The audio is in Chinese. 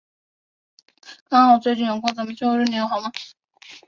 刚好最近有空，咱们去欧洲旅游好吗？